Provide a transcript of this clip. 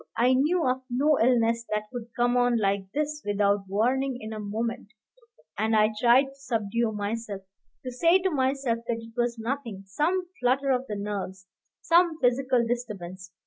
I knew of no illness that could come on like this without warning, in a moment, and I tried to subdue myself, to say to myself that it was nothing, some flutter of the nerves, some physical disturbance.